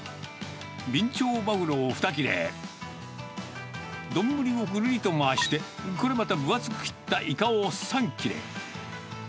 ビンチョウマグロを２切れ、丼をぐるりと回して、これまた分厚く切ったイカを３切れ。